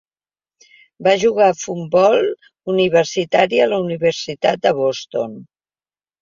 Va jugar a futbol universitari a la Universitat de Boston.